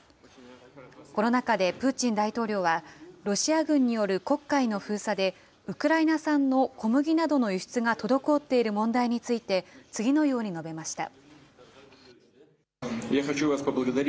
この中でプーチン大統領は、ロシア軍による黒海の封鎖で、ウクライナ産の小麦などの輸出が滞っている問題などについて、次のように述べました。